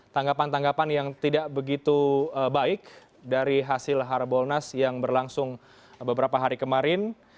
tanggapan tanggapan yang tidak begitu baik dari hasil harbolnas yang berlangsung beberapa hari kemarin